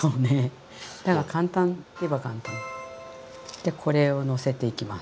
でこれをのせていきます。